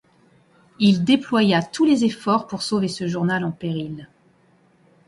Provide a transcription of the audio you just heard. Il déploya tous les efforts pour sauver ce journal en péril.